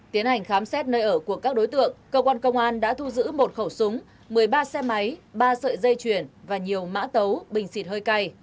tiến hành khám xét nơi ở của các đối tượng cơ quan công an đã thu giữ một khẩu súng một mươi ba xe máy ba sợi dây chuyển và nhiều mã tấu bình xịt hơi cay